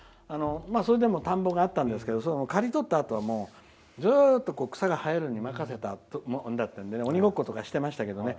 それでも田んぼがあったんですが刈り取ったあとはずっと草が生えるのに任せたものだったのでおにごっことかしていましたけど。